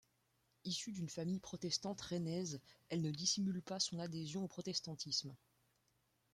Issue d'une famille protestante rennaise, elle ne dissimule pas son adhésion au protestantisme.